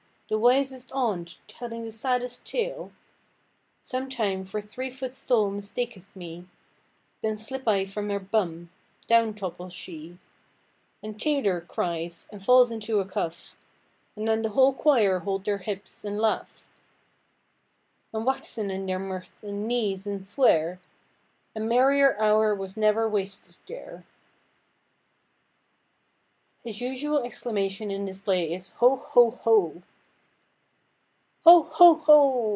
The wisest aunt, telling the saddest tale, Sometime for three–foot stool mistaketh me; Then slip I from her bum, down topples she, And 'tailor,' cries, and falls into a cough; And then the whole quire hold their hips, and laugh; And waxen in their mirth, and neeze, and swear, A merrier hour was never wasted there." His usual exclamation in this play is Ho, ho, ho! "Ho, ho, ho!